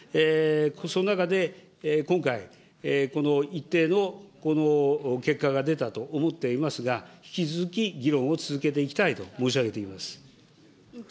その中で今回、この一定の結果が出たと思っていますが、引き続き議論を続けていきたいと申し上げています。